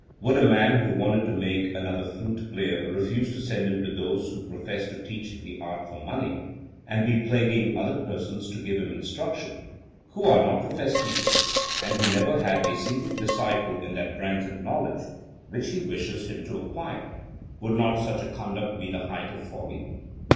Would a man who wanted to make another a flute player refuse to send him to those who profess to teach the art for money, and be plaguing other persons to give him instruction, who are not professed teachers and who never had a single disciple in that branch of knowledge which he wishes him to acquire would not such conduct be the height of folly?